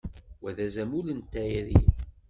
Wa d azamul n tayri.